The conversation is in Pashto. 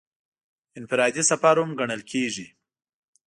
انفرادي سفر هم ګڼل کېږي.